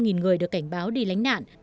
gần năm người được cảnh báo đi lánh nạn